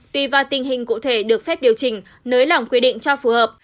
tùy vào tình hình cụ thể được phép điều chỉnh nới lỏng quy định cho phù hợp